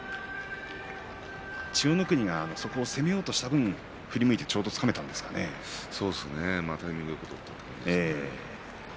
千代の国がそこを攻めようとした分、振り向いてタイミングよくですね。